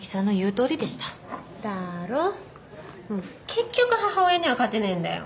結局母親には勝てねぇんだよ。